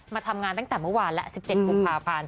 มาทำงานตั้งแต่เมื่อวานแล้ว๑๗กุมภาพันธ์